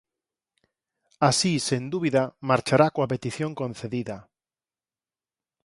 Así, sen dúbida, marchará coa petición concedida.